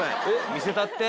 見せたって。